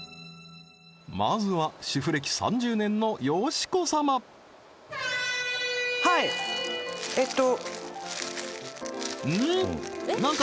まずは主婦歴３０年の佳子様はいえっとん？